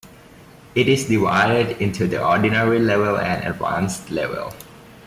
It is divided into the Ordinary level and Advanced level.